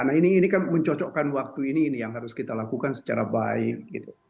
nah ini kan mencocokkan waktu ini ini yang harus kita lakukan secara baik gitu